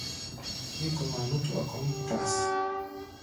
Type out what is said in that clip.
Mí gɔma nútua kɔ́ʼm kpras.